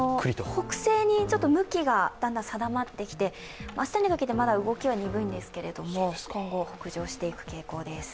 北西に向きがだんだん定まってきて、明日にかけてまだ動きは鈍いんですけども、今後、北上していく傾向です。